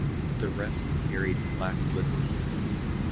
The rest carried black livery.